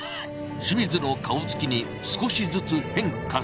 清水の顔つきに少しずつ変化が。